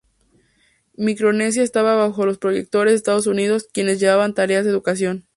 Micronesia estaba bajo el protectorado de Estados Unidos, quienes llevaban tareas de educación.